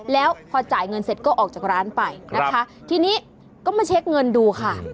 แล้วพอจ่ายเงินเสร็จก็ออกจากร้านไปนะคะทีนี้ก็มาเช็คเงินดูค่ะ